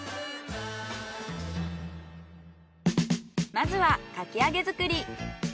まずはかき揚げ作り。